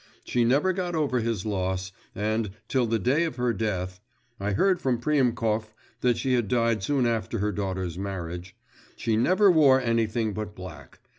She never got over his loss, and, till the day of her death (I heard from Priemkov that she had died soon after her daughter's marriage), she never wore anything but black.